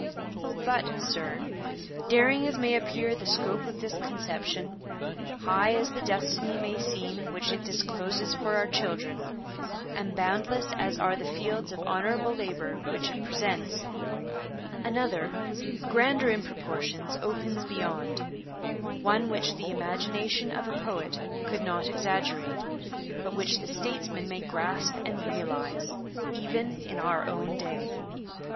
'But, sir, daring as may appear the scope of this conception, high as the destiny may seem which it discloses for our children, and boundless as are the fields of honourable labour which it presents, another, grander in proportions, opens beyond; one which the imagination of a poet could not exaggerate, but which the statesman may grasp and realize, even in our own day.